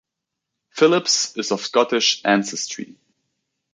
Phillips is of Scottish ancestry.